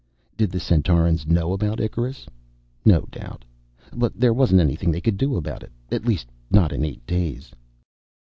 Did the Centaurans know about Icarus? No doubt; but there wasn't anything they could do about it. At least, not in eight days.